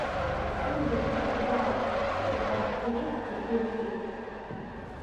Иасонгьы аҩныҟа дааит, ипартбилеҭгьы ирҭеит.